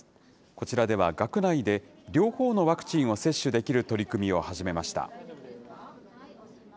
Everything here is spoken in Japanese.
こちらでは、学内で両方のワクチンを接種できる取り組みを始めました。